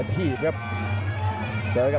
สวัสดิ์นุ่มสตึกชัยโลธสวัสดิ์